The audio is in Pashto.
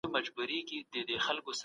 په سياست کې د خلکو ګډون ډېر اړين دی.